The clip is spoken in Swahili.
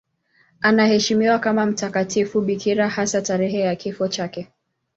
Anaheshimiwa kama mtakatifu bikira, hasa tarehe ya kifo chake.